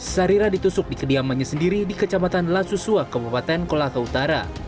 sarira ditusuk di kediamannya sendiri di kecamatan lasusua kabupaten kolaka utara